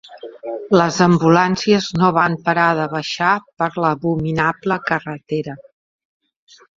Les ambulàncies no van parar de baixar per l'abominable carretera